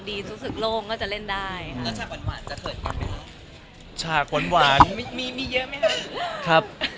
ิมีนะครับ